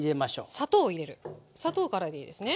砂糖からでいいですね。